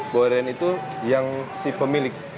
goreng itu yang si pemilik